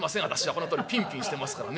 このとおりピンピンしてますからね。